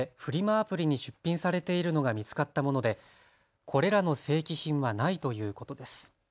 アプリに出品されているのが見つかったもので、これらの正規品はないということです。